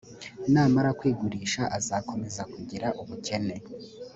namara kwigurisha azakomeza kugir ubukene.